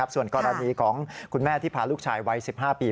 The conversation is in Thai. ส่วนกรณีของคุณแม่ที่พาลูกชายวัย๑๕ปี